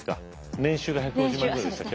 年収が１５０万ぐらいでしたっけ。